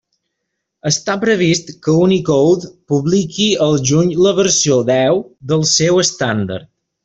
Està previst que Unicode publiqui al juny la versió deu del seu estàndard.